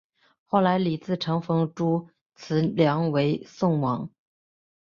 后来李自成封朱慈烺为宋王。